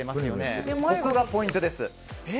そこがポイントです。